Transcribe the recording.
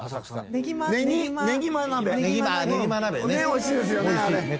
おいしいですよねあれ。